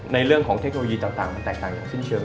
ในเรื่องของเทคโนโลยีต่างมันแตกต่างอย่างสิ้นเชิง